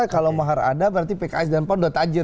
kalau mahar ada berarti pks dan pan sudah tajir